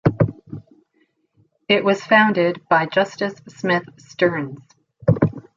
It was founded by Justus Smith Stearns.